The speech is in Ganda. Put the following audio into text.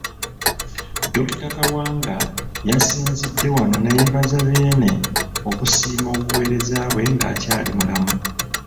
Dokita Kawanga yasinzidde wano neyeebaza Beene okusiima obuweereza bwe ng'akyali mulamu.